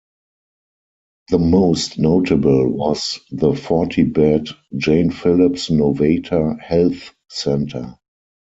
The most notable was the forty-bed Jane Phillips Nowata Health Center.